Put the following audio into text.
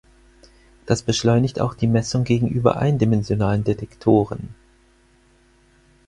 Das beschleunigt auch die Messung gegenüber eindimensionalen Detektoren.